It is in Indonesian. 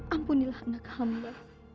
ampunilah anak hamba